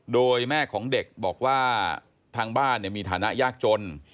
โดยแม่ของเด็กบอกว่าทางบ้านมีฐานะยากจน